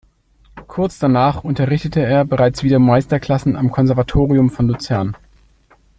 Kurz danach unterrichtete er bereits wieder Meisterklassen am Konservatorium von Luzern.